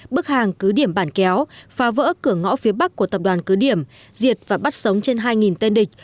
bức hàng cứ điểm bản kéo phá vỡ cửa ngõ phía bắc của tập đoàn cứ điểm diệt và bắt sống trên hai tên địch